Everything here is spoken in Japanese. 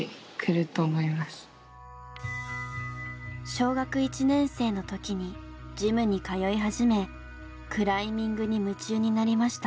小学１年生の時にジムに通い始めクライミングに夢中になりました。